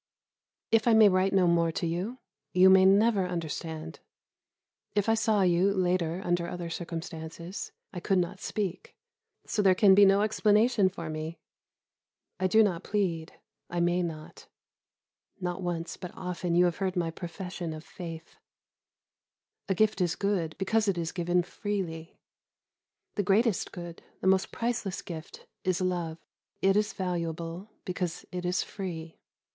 If I may write no more to you, you may never understand. If I saw you, later, under other circumstances, I could not speak; so there can be no explanation for me. I do not plead, I may not. Not once, but often you have heard my profession of faith a gift is good, because it is given freely. The greatest good, the most priceless gift, is love. It is valuable because it is free.